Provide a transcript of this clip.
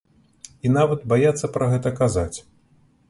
І нават баяцца пра гэта казаць.